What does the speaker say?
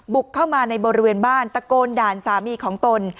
บุกเข้ามาในบริเวณบ้านตะโกนด่านสามีของตน